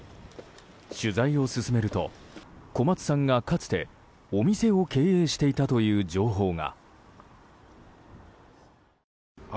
取材を進めると小松さんが、かつてお店を経営していたという情報が。